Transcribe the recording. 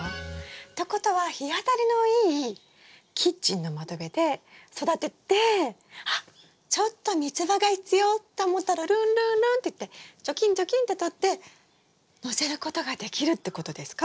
ってことは日当たりのいいキッチンの窓辺で育ててあっちょっとミツバが必要って思ったらルンルンルンって行ってチョキンチョキンってとってのせることができるってことですか？